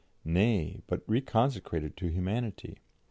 Nay, but reconsecrate it to humanity.